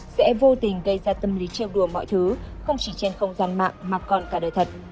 sẽ vô tình gây ra tâm lý treo đùa mọi thứ không chỉ trên không gian mạng mà còn cả đời thật